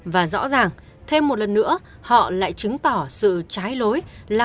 và rõ ràng thêm một lần nữa họ lại chứng tỏ sự trái lỗi